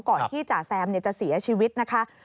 ที่จ่าแซมจะเสียชีวิตนะคะ